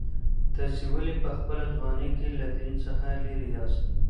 تاسي ولي په خپله ځواني کي له دین څخه لیري یاست؟